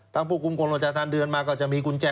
ตั้งผู้กลุ่มกลมราชธรรม์เดินมาก็จะมีกุญแจ